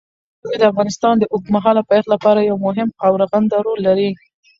ژبې د افغانستان د اوږدمهاله پایښت لپاره یو مهم او رغنده رول لري.